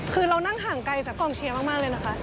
คือเรานั่งห่างไกลจากกองเชียร์มากเลยนะคะ